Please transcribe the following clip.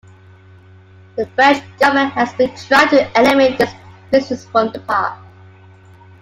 The French government has been trying to eliminate this business from the park.